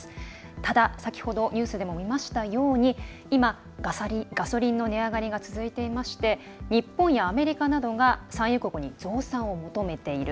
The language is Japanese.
ただ、先ほどニュースでも見ましたように今、ガソリンの値上がりが続いていまして日本やアメリカなどが産油国に増産を求めている。